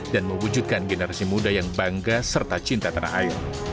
dan mewujudkan generasi muda yang bangga serta cinta tanah air